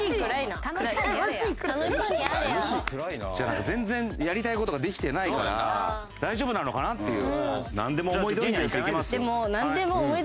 なんか全然やりたい事ができてないから大丈夫なのかなっていう。